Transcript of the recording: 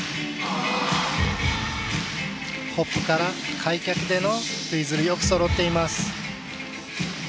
ホップから開脚でのツイズルよくそろっています。